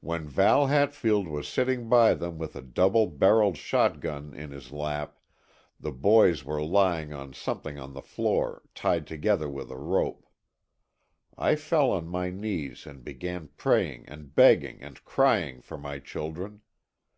"When Val Hatfield was sitting by them with a double barreled shotgun in his lap, the boys were lying on something on the floor, tied together with a rope. I fell on my knees and began praying and begging and crying for my children.